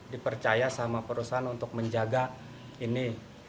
dipercaya sama perusahaan untuk menjaga ini